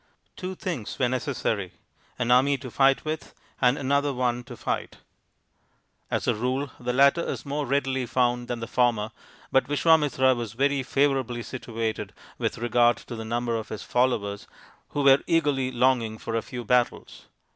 Two things were necessary an army to fight with, and another one to fight. As a rule the latter is more readily found than the former, but Vis vamitra was very favourably situated with regard to the number of his followers, who were eagerly longing for a few battles.